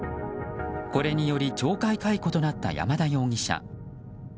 これにより懲戒解雇となった山田容疑者。